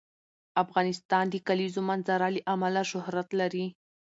افغانستان د د کلیزو منظره له امله شهرت لري.